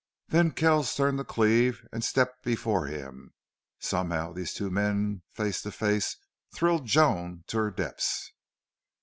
Then Kells turned to Cleve and stepped before him. Somehow these two men face to face thrilled Joan to her depths.